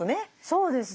そうですね。